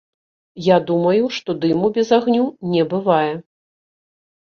Я думаю, што дыму без агню не бывае.